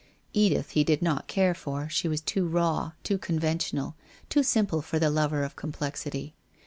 Edith he did not care for; she was too raw, too conven tional, too simple for the lover of complexity.